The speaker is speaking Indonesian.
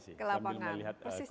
kita ke lapangan mbak desy